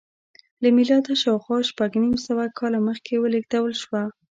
له میلاده شاوخوا شپږ نیم سوه کاله مخکې ولېږدول شوه